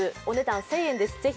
お値段１０００円です。